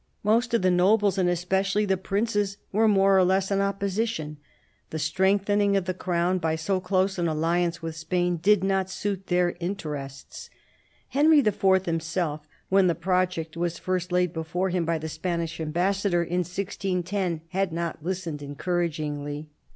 Most of the nobles, and especially the princes, were more or less in opposition ; the strengthening of the Crown by so close an alliance with Spain did not suit their interests. Henry IV. himself, when the project was first laid before him by the Spanish Ambassador in 1610, had not listened encouragingly.